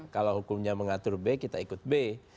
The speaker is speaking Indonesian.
kalau hukumnya mengatur b kita ikut b